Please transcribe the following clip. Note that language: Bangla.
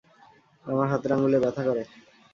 আমার হাতের আঙ্গুলে ব্যথা করে।